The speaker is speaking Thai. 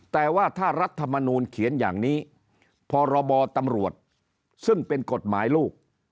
แต่ว่าถ้ารัฐมนูลเขียนอย่างนี้พรบตำรวจซึ่งเป็นกฎหมายลูก